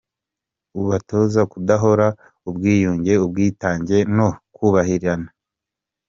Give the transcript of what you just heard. ubatoza kudahora, ubwiyunge, ubwitange no kubabarirana.